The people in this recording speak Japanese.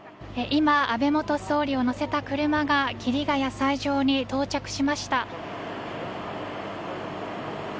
安倍元総理を乗せた車が桐ヶ谷斎場に到着しました。